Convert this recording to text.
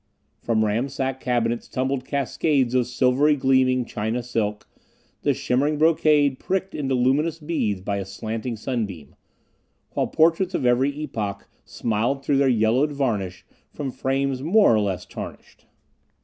From ransacked cabinets tumbled cascades of silvery gleaming China silk, the shimmering brocade pricked into luminous beads by a slanting sunbeam; while portraits of every epoch smiled through their yellowed varnish from frames more or less tarnished.